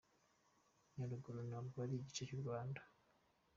Nyaruguru ntabwo ari igice cy’u Rwanda?